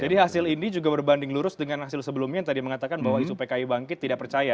jadi hasil ini juga berbanding lurus dengan hasil sebelumnya yang tadi mengatakan bahwa isu pki bangkit tidak percaya